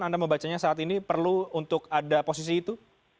anda membacanya saat ini perlu untuk ada posisi itu